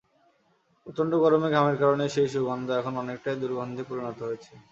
প্রচণ্ড গরমে ঘামের কারণে সেই সুগন্ধ এখন অনেকটাই দুর্গন্ধে পরিণত হয়েছে।